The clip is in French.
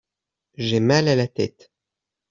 J'ai mal à la tête.